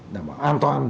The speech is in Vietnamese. đảm bảo an toàn